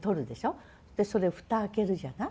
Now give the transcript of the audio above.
それ蓋開けるじゃない？